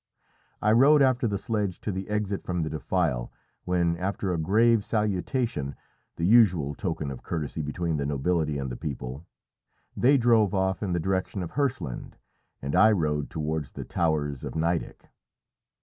I rode after the sledge to the exit from the defile, when, after a grave salutation the usual token of courtesy between the nobility and the people they drove off in the direction of Hirschland and I rode towards the towers of Nideck.